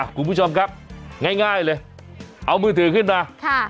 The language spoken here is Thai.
คุณผู้ชมครับง่ายเลยเอามือถือขึ้นมาค่ะ